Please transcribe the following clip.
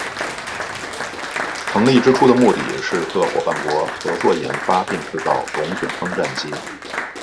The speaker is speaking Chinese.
成立之初的目的是各夥伴国合作研发并制造龙卷风战机。